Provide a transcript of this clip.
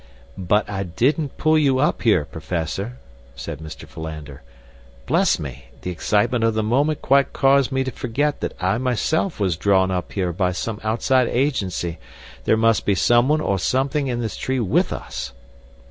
"But I didn't pull you up here, Professor," said Mr. Philander. "Bless me! The excitement of the moment quite caused me to forget that I myself was drawn up here by some outside agency—there must be someone or something in this tree with us."